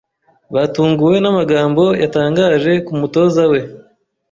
batunguwe n'amagambo yatangaje kumutoza we